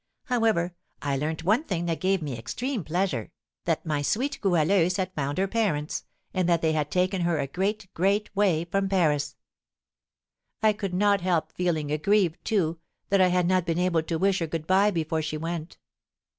However, I learnt one thing that gave me extreme pleasure, that my sweet Goualeuse had found her parents, and that they had taken her a great, great way from Paris; I could not help feeling grieved, too, that I had not been able to wish her good bye before she went.